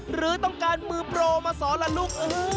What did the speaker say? หรือต้องการมือโปรมาสอนล่ะลูก